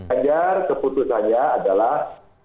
anggar keputusannya adalah